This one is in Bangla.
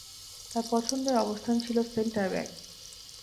তার পছন্দের অবস্থান ছিল সেন্টার ব্যাক।